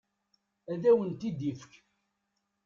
Ad awen-t-id-ifek.